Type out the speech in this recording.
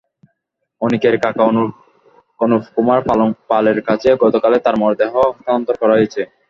অনিকের কাকা অনুপ কুমার পালের কাছে গতকালই তার মরদেহ হস্তান্তর করা হয়েছে।